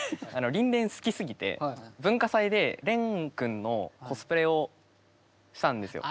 リン・レン好きすぎて文化祭でレン君のコスプレをしたんですよ。